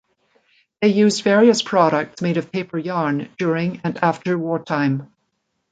They used various products made of paper yarn during and after wartime.